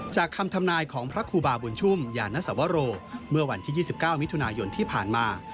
จากคำทำนายของพระครูบาบุญชุ่มยานสวโรเมื่อวันที่๒๙มิถุนายนที่ผ่านมา